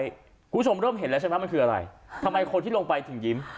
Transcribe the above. คุณผู้ชมเริ่มเห็นแล้วใช่ไหมมันคืออะไรทำไมคนที่ลงไปถึงยิ้ม